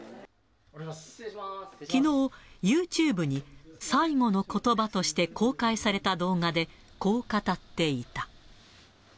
きのう、ＹｏｕＴｕｂｅに、最期の言葉として公開された動画で、こう語っていた。